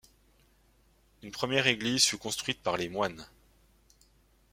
Une première église fut construite par les moines.